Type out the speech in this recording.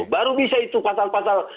baru bisa itu pasal pasal